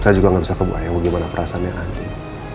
saya juga tidak bisa membayangkan bagaimana perasaannya andin